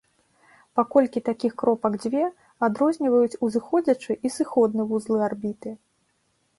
Паколькі такіх кропак дзве, адрозніваюць узыходзячы і сыходны вузлы арбіты.